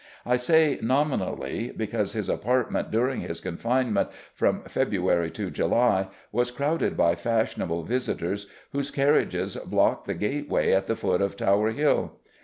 I say nominally, because his apartment during his confinement from February to July was crowded by fashionable visitors whose carriages blocked the gateway at the foot of Tower Hill.